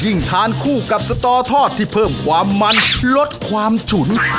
ทานคู่กับสตอทอดที่เพิ่มความมันลดความฉุน